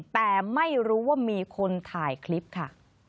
แต่ไม่รู้ว่ามีคนถ่ายคลิปค่ะ